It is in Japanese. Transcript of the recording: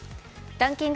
ランキング